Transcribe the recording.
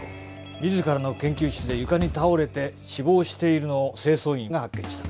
自らの研究室で床に倒れて死亡しているのを清掃員が発見した。